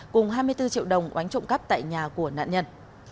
cùng hai mươi bốn triệu đồng oánh trộm cắp tại nhà của nạn nhân